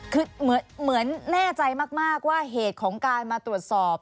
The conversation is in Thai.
คือเหมือนแน่ใจมากว่าเหตุของการมาตรวจสอบ